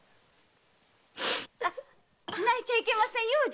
泣いちゃいけませんよ